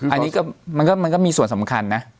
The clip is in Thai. อันนี้มันก็มีส่วนสำคัญนะ